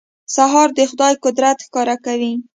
سهار د خدای قدرت ښکاره کوي.